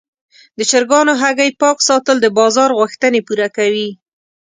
د چرګانو هګۍ پاک ساتل د بازار غوښتنې پوره کوي.